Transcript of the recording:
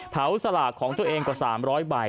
สลากของตัวเองกว่า๓๐๐ใบ